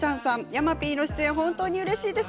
山Ｐの出演、本当にうれしいです。